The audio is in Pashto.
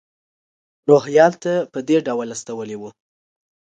روهیال ته په دې ډول استولی و.